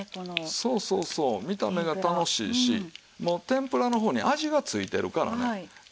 そうそうそう見た目が楽しいしもう天ぷらの方に味がついてるからね。